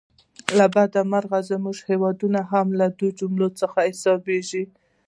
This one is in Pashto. له بده مرغه زموږ هیواد هم له دې جملې څخه حسابېږي.